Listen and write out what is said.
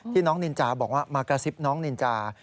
น้องนินจาบอกว่ามากระซิบน้องนินจา